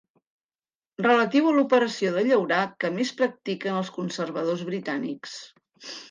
Relatiu a l'operació de llaurar que més practiquen els conservadors britànics.